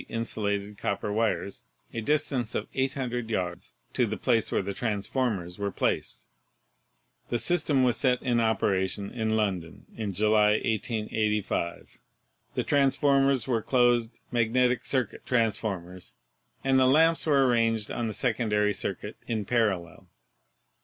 insulated copper wires a distance of 800 yards to the place where the transformers were placed. The system was set in operation in London in July, 1885. The transformers were clpsed magnetic ELECTRO MAGNETIC MACHINERY 209 circuit transformers and the lamps were arranged on the secondary circuit in parallel.